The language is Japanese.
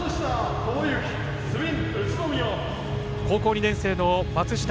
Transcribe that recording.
高校２年生の松下。